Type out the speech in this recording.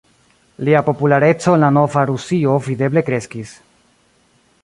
Lia populareco en la nova Rusio videble kreskis.